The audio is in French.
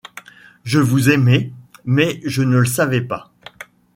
Je vous aimais, mais je ne le savais pas.